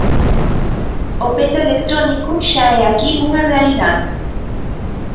O peto electrónico xa é aquí unha realidade.